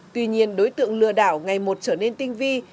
tuy nhiên đối tượng lừa đảo ngày một trở nên tinh vi